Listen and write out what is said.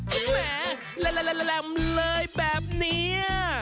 แหมเล่นเลยแบบนี้